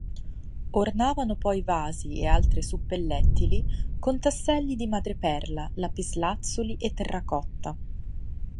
Ornavano poi vasi e altre suppellettili con tasselli di madreperla, lapislazzuli e terracotta.